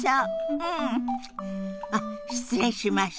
うん！あっ失礼しました。